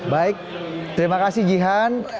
baik terima kasih jihan